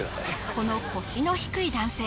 この腰の低い男性